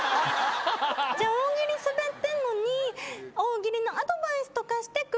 めっちゃ大喜利スベってんのに大喜利のアドバイスとかしてくる濱家さんとか。